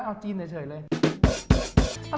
เอาจริงเหมือนกัน